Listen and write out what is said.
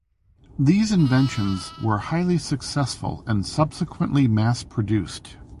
These inventions were highly successful and subsequently mass produced.